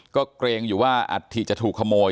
ก็เกรงอยู่ว่าอัฐิจะถูกขโมย